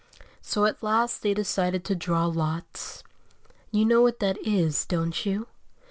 So at last they decided to draw lots. You know what that is, don't you?